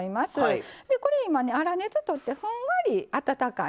これ今粗熱とってふんわり温かいのね。